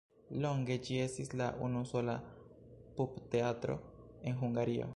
Longe ĝi estis la unusola pupteatro en Hungario.